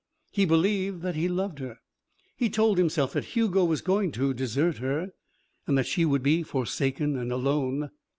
He believed that he loved her. He told himself that Hugo was going to desert her, that she would be forsaken and alone.